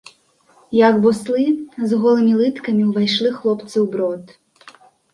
Як буслы, з голымі лыткамі ўвайшлі хлопцы ў брод.